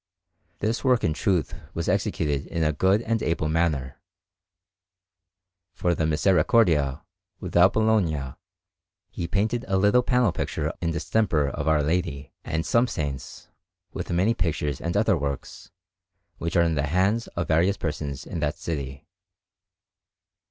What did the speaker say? This work, in truth, was executed in a good and able manner. For the Misericordia, without Bologna, he painted a little panel picture in distemper of Our Lady and some saints; with many pictures and other works, which are in the hands of various persons in that city.